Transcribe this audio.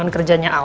ini gelas te ya bu